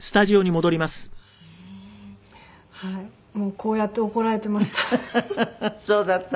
こうやって怒られていました。